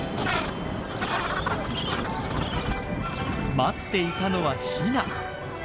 待っていたのはヒナ。